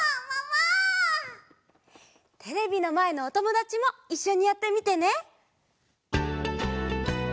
テレビのまえのおともだちもいっしょにやってみてね！